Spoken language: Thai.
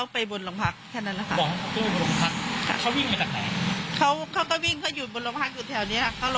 เขาวิ่งไปตรงไหนเขาก็วิ่งเขาอยู่บนรองพักอยู่แถวนี้ค่ะ